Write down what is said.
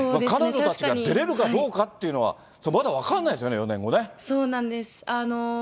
彼女たちが出れるかどうかっていうのは、まだ分からないですそうなんです。